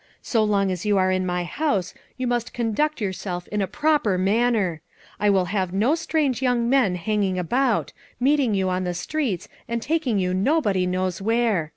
So long as you are in my house you must conduct yourself in a proper manner; I will have no strange young men hanging about, meeting you on the streets and taking you nobody knows where.